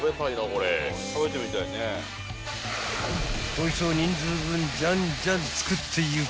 ［こいつを人数分じゃんじゃん作っていく］